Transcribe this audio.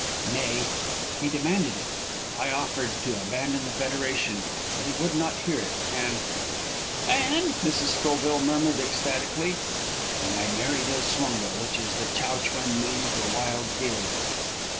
Nay, he demanded it. I offered to abandon the federation, but he would not hear of it. And " "And?" Mrs. Schoville murmured ecstatically. "And I married Ilswunga, which is the Chow Chuen name for Wild Deer.